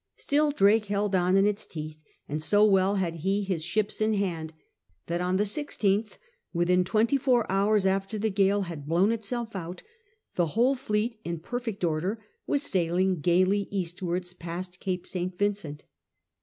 Still Drake held on in its teeth, and so well had he his ships in hand, that on the 16th, within twenty four hours after the gale had blown itself out, the whole fleet in perfect order was sailing gaily eastwards past Gape St. Vincent.